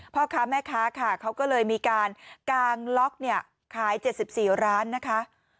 พ่อค้าแม่ค้าค่ะเขาก็เลยมีการกางล็อกเนี่ยขาย๗๔ร้านนะคะ